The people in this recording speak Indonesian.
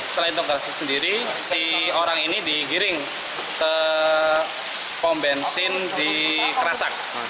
selain tonggal sendiri si orang ini digiring ke pom bensin di kerasak